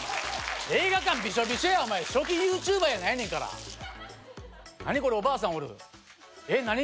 映画館ビショビショや初期ＹｏｕＴｕｂｅｒやないねんから何これおばあさんおるえっ何？